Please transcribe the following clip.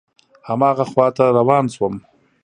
هماغه خواته روان شوم.